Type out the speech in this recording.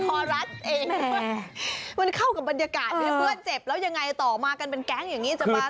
มันเข้ากับบรรยากาศเมื่อเพื่อนเจ็บแล้วยังไงต่อมากันเป็นแก๊งอย่างนี้จะมาทำอะไร